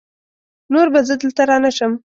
نور به زه دلته رانشم!